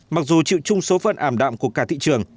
mặc dù chịu chung số phận ảm đạm của cả thị trường